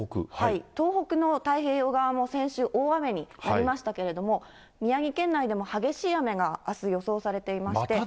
東北の太平洋側も先週、大雨になりましたけれども、宮城県内でも激しい雨があす予想されていまして。